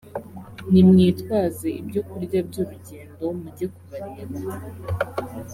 nimwitwaze ibyokurya by urugendo mujye kubareba.